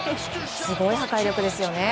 すごい破壊力ですよね。